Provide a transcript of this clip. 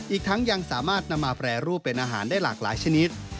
อีกทั้งยังสามารถนำมาแปรรูปเป็นอาหารได้หลากหลายชนิด